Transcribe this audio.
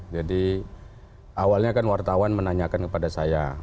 jadi awalnya kan wartawan menanyakan kepada saya